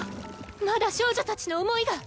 まだ少女たちの思いが！